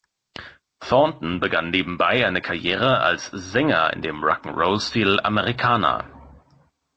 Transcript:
Thornton begann nebenbei eine Karriere als Sänger in dem Rock-’n’-Roll-Stil "Americana".